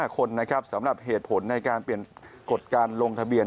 ๕คนนะครับสำหรับเหตุผลในการกดการลงทะเบียน